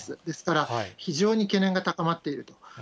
ですから、非常に懸念が高まっていると。